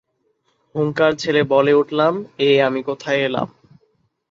হুংকার ছেড়ে বলে উঠলাম " এ আমি কোথায় এলাম?"